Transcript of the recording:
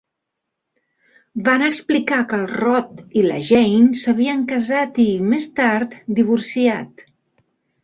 Van explicar que el Rod i la Jane s'havien casat i, més tard, divorciat.